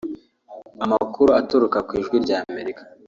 Amakuru aturuka ku Ijwi ry’Amerika